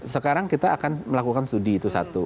sekarang kita akan melakukan studi itu satu